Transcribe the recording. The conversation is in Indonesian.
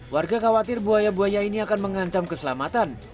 warga khawatir buaya buaya ini akan mengancam keselamatan